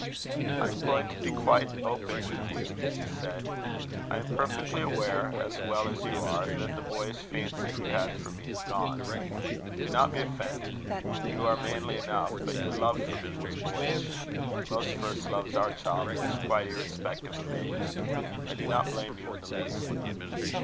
"I am going to be quite open with you," she said. "I am perfectly aware, as well as you are, that the boyish fancy you had for me is gone. Do not be offended. You are manly enough, but your love for me was boyish. Most first loves are childish, quite irrespective of age. I do not blame you in the least."